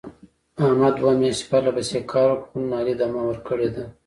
احمد دوه میاشتې پرله پسې کار وکړ. خو نن علي دمه ور کړې ده.